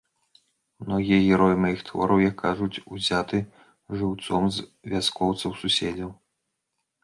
Многія героі маіх твораў, як кажуць, узяты жыўцом з вяскоўцаў-суседзяў.